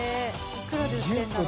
いくらで売ってるんだろう？